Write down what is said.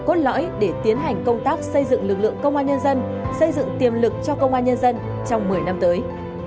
cốt lõi để tiến hành công tác xây dựng lực lượng công an nhân dân xây dựng tiềm lực cho công an nhân dân trong một mươi năm tới